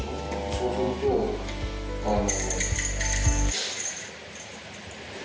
そうすると、あの。